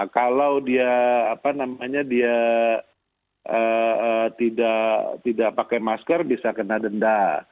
kalau dia tidak pakai masker bisa kena denda